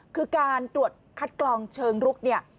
คือการตรวจคัดกรองเชิงลุกเนี่ย